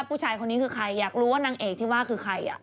ผู้ชายคนนี้คือใครอยากรู้ว่านางเอกที่ว่าคือใคร